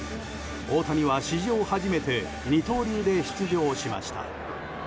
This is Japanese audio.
大谷は史上初めて二刀流で出場しました。